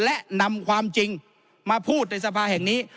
และนำความจริงมาพูดในสภาแห่งนี้